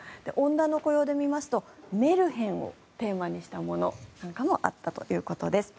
女の子用で見ますとメルヘンをテーマにしたものなんかもあったということです。